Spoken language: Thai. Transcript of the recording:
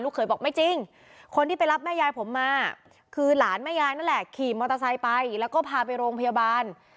เคยบอกไม่จริงคนที่ไปรับแม่ยายผมมาคือหลานแม่ยายนั่นแหละขี่มอเตอร์ไซค์ไปแล้วก็พาไปโรงพยาบาล